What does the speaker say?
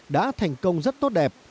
đã thành công rất tốt đẹp